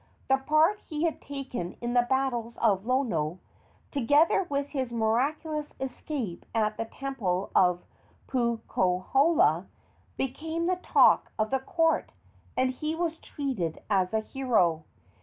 The part he had taken in the battles of Lono, together with his miraculous escape at the temple of Puukohola, became the talk of the court, and he was treated as a hero.